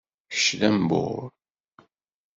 Kečč d ambur?